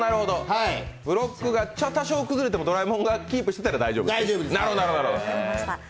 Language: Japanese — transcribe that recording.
ブロックが多少崩れてもドラえもんがキープしていたら大丈夫だと。